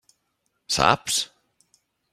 Saps?